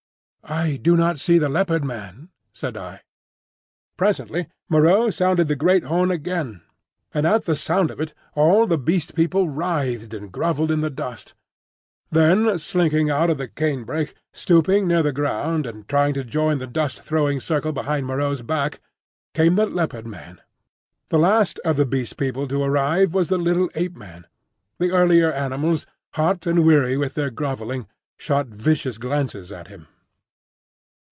"I do not see the Leopard man," said I. Presently Moreau sounded the great horn again, and at the sound of it all the Beast People writhed and grovelled in the dust. Then, slinking out of the canebrake, stooping near the ground and trying to join the dust throwing circle behind Moreau's back, came the Leopard man. The last of the Beast People to arrive was the little Ape man. The earlier animals, hot and weary with their grovelling, shot vicious glances at him.